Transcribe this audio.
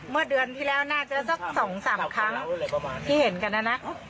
เมื่อเดือนที่แล้วน่าจะสัก๒๓ครั้งที่เห็นกันนะนะ